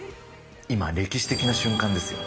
今、歴史的な瞬間ですよ。